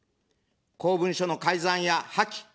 公文書の改ざんや破棄。